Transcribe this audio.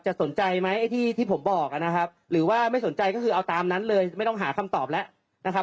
สนใจไหมไอ้ที่ที่ผมบอกนะครับหรือว่าไม่สนใจก็คือเอาตามนั้นเลยไม่ต้องหาคำตอบแล้วนะครับ